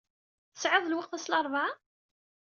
Tesɛiḍ lweqt ass n larebɛa?